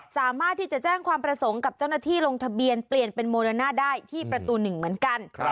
สามารถที่จะแจ้งความประสงค์กับเจ้าหน้าที่ลงทะเบียนเปลี่ยนเป็นโมเดอร์น่าได้ที่ประตู๑เหมือนกัน